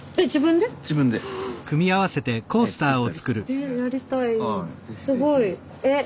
えやりたい。